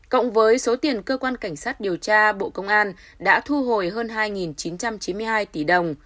cộng với số tiền cơ quan cảnh sát điều tra bộ công an đã thu hồi hơn hai chín trăm chín mươi hai tỷ đồng